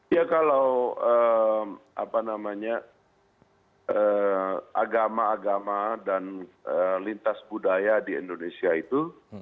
ya kalau agama agama dan lintas budaya di indonesia itu